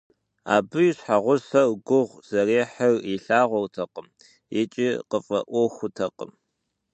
Абы и щхьэгъусэр гугъу зэрехьыр илъагъуртэкъым икӏи къыфӏэӏуэхутэкъым.